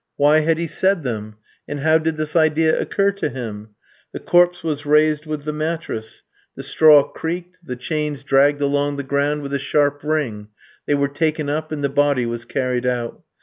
Why had he said them? and how did this idea occur to him? The corpse was raised with the mattress; the straw creaked, the chains dragged along the ground with a sharp ring; they were taken up and the body was carried out.